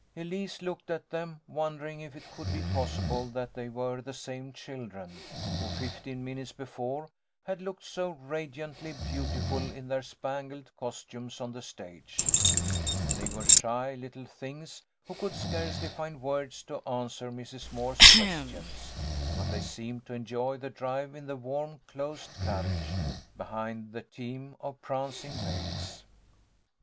Elise looked at them, wondering if it could be possible that they were the same children, who, fifteen minutes before, had looked so radiantly beautiful in their spangled costumes on the stage. They were shy little things who could scarcely find words to answer Mrs. Moore's questions, but they seemed to enjoy the drive in the warm closed carriage, behind the team of prancing bays.